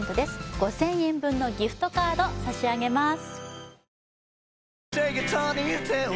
５０００円分のギフトカード差し上げます